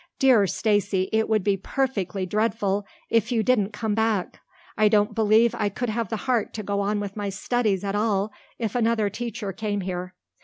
"Dear Stacy, it would be perfectly dreadful if you didn't come back. I don't believe I could have the heart to go on with my studies at all if another teacher came here."